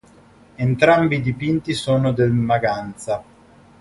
Entrambi i dipinti sono del Maganza.